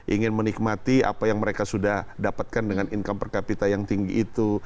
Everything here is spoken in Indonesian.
ingin menikmati apa yang mereka sudah dapatkan dengan income per capita yang tinggi itu